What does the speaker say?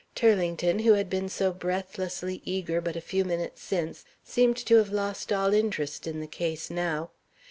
Turlington, who had been so breathlessly eager but a few minutes since, seemed to have lost all interest in the case now.